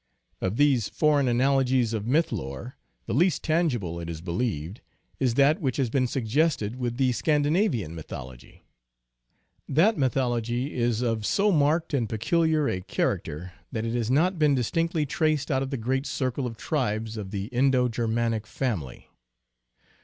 Of these foreign analogies of myth lore, the least tangible, it is believed, is that which has been suggested with the Scandinavian mythology. That mythology is of so marked and peculiar a char acter that it has not been distinctly traced out of the great circle of tribes of the Indo Germanic family.